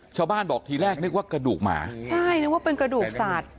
ชาวบ้านบอกทีแรกนึกว่ากระดูกหมาใช่นึกว่าเป็นกระดูกสัตว์